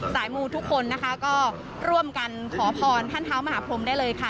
มูทุกคนนะคะก็ร่วมกันขอพรท่านเท้ามหาพรมได้เลยค่ะ